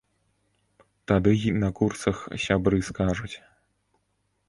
Тады й на курсах сябры скажуць.